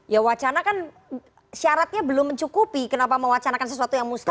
ya wacana kan syaratnya belum mencukupi kenapa mewacanakan sesuatu yang mustahi